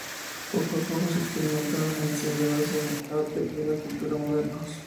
Poco a poco se experimenta una sensibilidad hacia el arte y la cultura modernos.